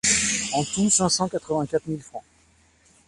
En tout cinq cent quatrevingt-quatre mille francs.